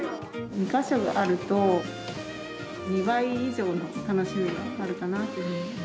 ２か所あると、２倍以上の楽しみがあるかなっていうふうに思いますね。